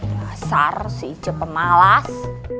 dasar si ija pemalas